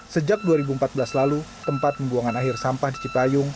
sejak dua ribu empat belas lalu tempat pembuangan akhir sampah di cipayung